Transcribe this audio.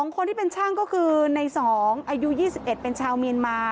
คนที่เป็นช่างก็คือใน๒อายุ๒๑เป็นชาวเมียนมา